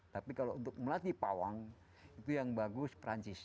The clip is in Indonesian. tapi kalau untuk melatih pawang itu yang bagus perancis